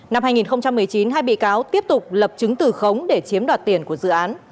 năm hai nghìn một mươi chín hai bị cáo tiếp tục lập chứng từ khống để chiếm đoạt tiền của dự án